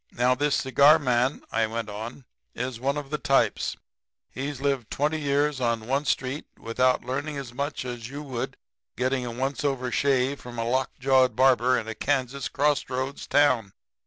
"'Now, this cigar man,' I went on, 'is one of the types. He's lived twenty years on one street without learning as much as you would in getting a once over shave from a lockjawed barber in a Kansas crossroads town.